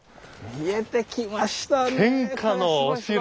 見えてきましたねえ。